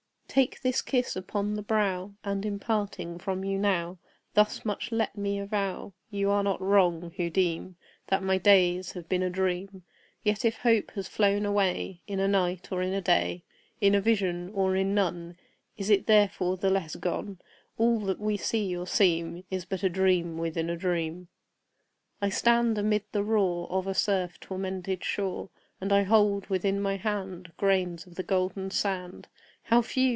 Take this kiss upon the brow! And, in parting from you now, Thus much let me avow You are not wrong, who deem That my days have been a dream: Yet if hope has flown away In a night, or in a day, In a vision or in none, Is it therefore the less gone? All that we see or seem Is but a dream within a dream. I stand amid the roar Of a surf tormented shore, And I hold within my hand Grains of the golden sand How few!